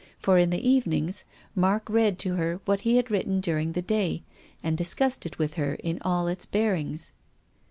For in the evenings Mark read to her what he had written during the day and discussed it with her in all its bearings.